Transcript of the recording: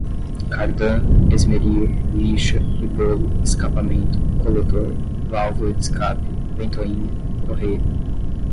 cardã, esmeril, lixa, rebolo, escapamento, coletor, válvula de escape, ventoinha, correia